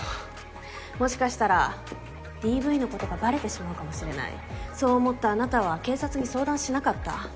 もしかしたらＤＶのことがバレてしまうかもしれないそう思ったあなたは警察に相談しなかった。